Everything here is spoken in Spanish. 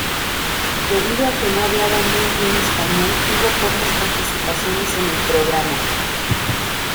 Debido a que no hablaba muy bien español tuvo pocas participaciones en el programa.